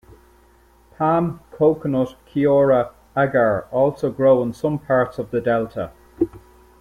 Palm, Coconut, keora, agar, also grow in some parts of the delta.